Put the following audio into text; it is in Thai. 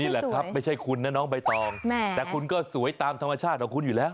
แหละครับไม่ใช่คุณนะน้องใบตองแต่คุณก็สวยตามธรรมชาติของคุณอยู่แล้ว